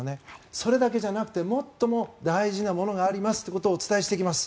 それだけじゃなくてもっと大事なものがありますということをお伝えしていきます。